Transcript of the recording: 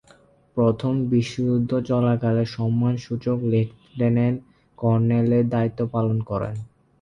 প্রথম বিশ্বযুদ্ধ চলাকালে সম্মানসূচক লেফটেন্যান্ট কর্নেলের দায়িত্ব পালন করেন।